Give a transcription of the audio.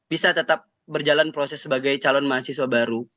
bisa tetap berjalan proses sebagai calon mahasiswa baru